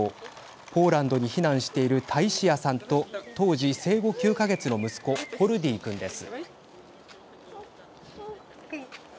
ポーランドに避難しているタイシアさんと当時、生後９か月の息子ホルディー君です。